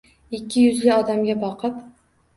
Ikki yuzli odamga boqib